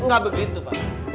gak begitu pak